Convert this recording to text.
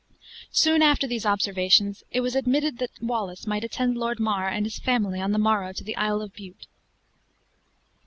Soon after these observations, it was admitted that Wallace might attend Lord mar and his family on the morrow to the Isle of Bute.